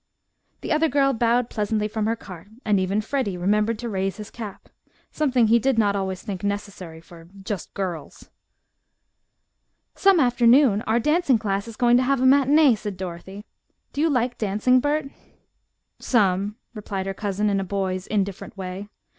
The other girl bowed pleasantly from her cart, and even Freddie remembered to raise his cap, something he did not always think necessary for "just girls." "Some afternoon our dancing class is going to have a matinee," said Dorothy. "Do you like dancing, Bert?" "Some," replied her cousin in a boy's indifferent way.